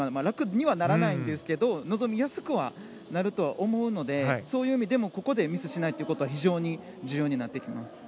楽にはならないんですが臨みやすくはなるとは思うのでそういう意味でもここでミスしないことは非常に重要になってきます。